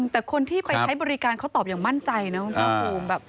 แต่คนที่ไปใช้บริการเขาตอบอย่างมั่นใจนะคุณภาคภูมิ